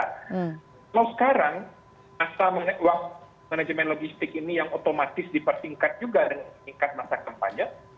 kalau sekarang masa manajemen logistik ini yang otomatis dipertingkat juga dengan tingkat masa kampanye